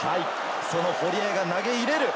堀江が投げ入れる。